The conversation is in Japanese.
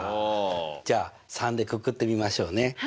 じゃあ３でくくってみましょうね。